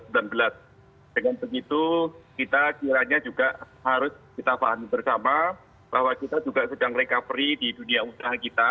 dengan begitu kita kiranya juga harus kita pahami bersama bahwa kita juga sedang recovery di dunia usaha kita